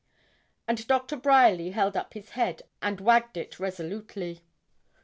And Doctor Bryerly held up his head, and wagged it resolutely.